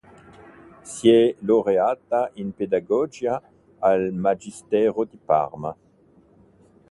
Si è laureata in Pedagogia al Magistero di Parma.